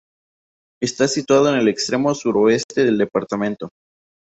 Está situada en el extremo suroeste del departamento.